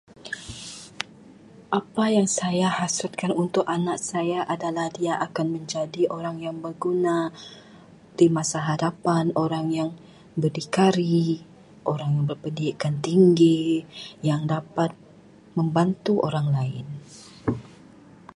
Apa yang saya hasratkan untuk anak saya adalah dia akan menjadi orang yang berguna di masa hadapan, orang yang berdikari, orang yang berpendidikan tinggi, yang dapat membantu orang lain.